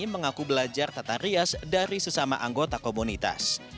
mengaku belajar tata rias dari sesama anggota komunitas